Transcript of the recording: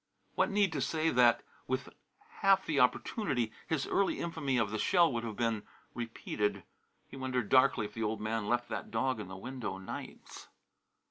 What need to say that, with half the opportunity, his early infamy of the shell would have been repeated. He wondered darkly if the old man left that dog in the window nights!